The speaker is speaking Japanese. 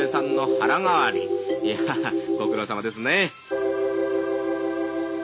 いやご苦労さまですね」。